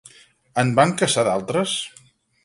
En van caçar d'altres?